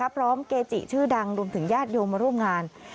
พร้อมเกจิชื่อดังรวมถึงญาติโยมร่วงงาน